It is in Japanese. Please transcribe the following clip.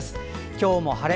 今日も晴れ。